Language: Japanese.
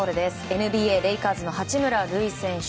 ＮＢＡレイカーズの八村塁選手。